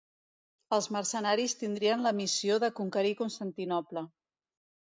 Els mercenaris tindrien la missió de conquerir Constantinoble.